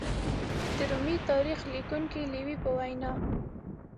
د رومي تاریخ لیکونکي لېوي په وینا